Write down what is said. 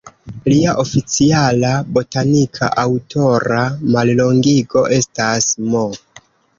Lia oficiala botanika aŭtora mallongigo estas "M.".